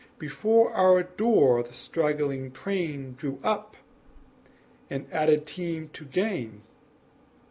Before our door the straggling train Drew up, an added team to gain.